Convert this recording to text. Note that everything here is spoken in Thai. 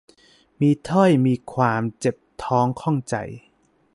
มีถ้อย มีความ เจ็บท้องข้องใจ